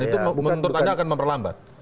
itu menurut anda akan memperlambat